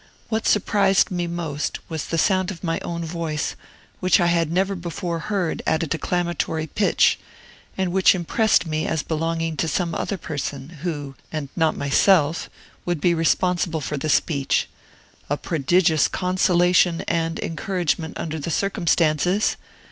What surprised me most, was the sound of my own voice, which I had never before heard at a declamatory pitch, and which impressed me as belonging to some other person, who, and not myself, would be responsible for the speech: a prodigious consolation and encouragement under the circumstances!